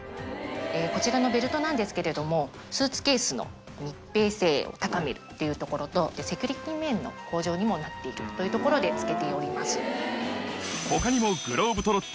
こちらのベルトなんですけどもスーツケースの密閉性を高めるっていうところとセキュリティー面の向上にもなっているというところで付けております。